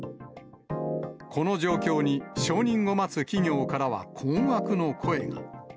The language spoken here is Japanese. この状況に、承認を待つ企業からは困惑の声が。